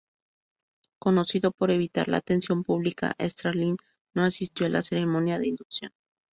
Conocido por evitar la atención pública, Stradlin no asistió a la ceremonia de inducción.